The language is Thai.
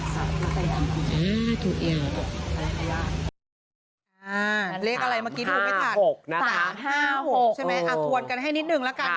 ๓๕๖ใช่ไหมถวดกันให้นิดนึงแล้วกัน